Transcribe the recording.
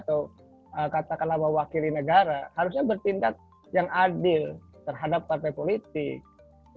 atau katakanlah mewakili negara harusnya bertindak yang adil terhadap partai politik